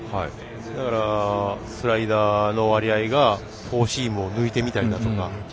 だから、スライダーの割合がフォーシームを抜いてみたりだとか。